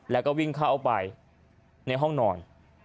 แล้วก็วิ่งเข้าไปในห้องนอน